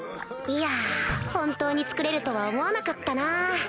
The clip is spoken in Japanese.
いや本当に作れるとは思わなかったな